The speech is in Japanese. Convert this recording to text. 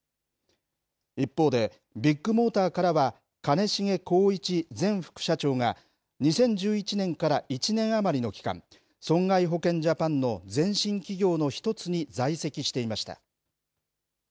一方で、ビッグモーターからは兼重宏一前副社長が、２０１１年から１年余りの期間、損害保険ジャパンの前身企業の１つに在籍していました。